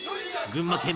「群馬県。